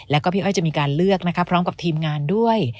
แล้วก็พี่อ้อยจะมีการเลือกนะคะพร้อมกับทีมงานด้วย